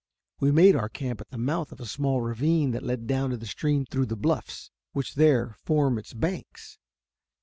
We made our camp at the mouth of a small ravine that led down to the stream through the bluffs, which there form its banks.